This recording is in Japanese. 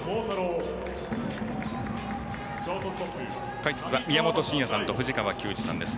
解説は宮本慎也さんと藤川球児さんです。